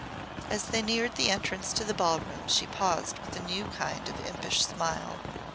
As they neared the entrance to the ballroom she paused with a new kind of impish smile.